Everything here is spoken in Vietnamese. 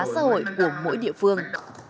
xã hội của mỗi địa phương